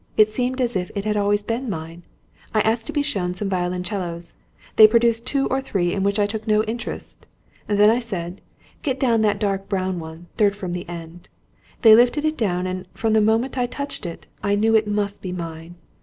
It seemed as if it always had been mine. I asked to be shown some violoncellos. They produced two or three, in which I took no interest. Then I said: 'Get down that dark brown one, third from the end.' They lifted it down, and, from the moment I touched it, I knew it must be mine!